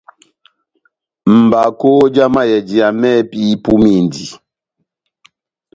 Mbakó já mayɛjiya mɛ́hɛ́pi ipumindi.